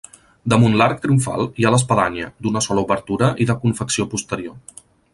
Damunt l'arc triomfal hi ha l'espadanya, d'una sola obertura i de confecció posterior.